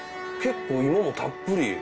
結構イモもたっぷり。